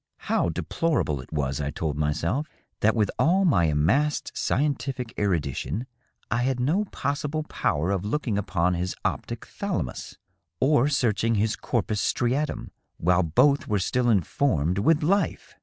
How deplorable it was, I told myself, that with all my amassed scientific erudition I had no pos sible power of looking upon his optiG thalamus or searching his corpus striaium while both were still informed with life